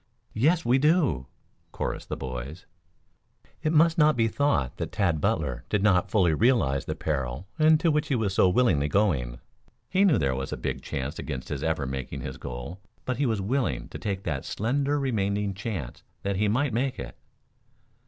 "Yes, we do," chorused the boys. It must not be thought that Tad Butler did not fully realize the peril into which he was so willingly going. He knew there was a big chance against his ever making his goal, but he was willing to take the slender remaining chance that he might make it.